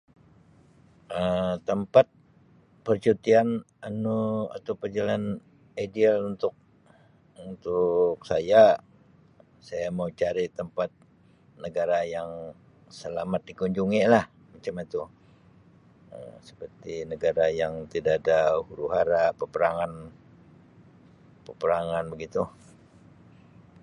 Um Tempat percutian anu atau perjalan ideal untuk-untuk saya, saya mau cari tempat negara yang selamat dikunjungi lah macam itu Um seperti negara yang tida ada huru hara, peperangan- peperangan begitu.